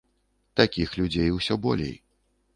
Такіх людзей усё болей.